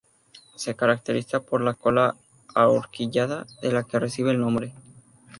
Se caracteriza por la cola ahorquillada, de la que recibe el nombre.